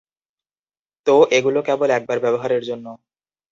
তো, এগুলো কেবল একবার ব্যবহারের জন্য।